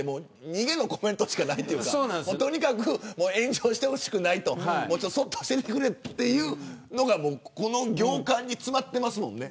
逃げのコメントしかないというかとにかく炎上してほしくない、とそっとしておいてくれというのがこの行間に詰まっていますもんね。